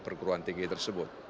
perguruan tinggi tersebut